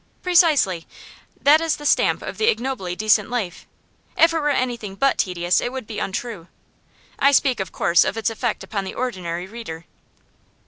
Precisely. That is the stamp of the ignobly decent life. If it were anything but tedious it would be untrue. I speak, of course, of its effect upon the ordinary reader.